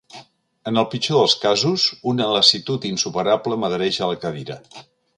En el pitjor dels casos una lassitud insuperable m'adhereix a la cadira.